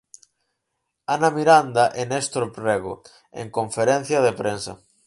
Ana Miranda e Néstor Rego, en conferencia de prensa.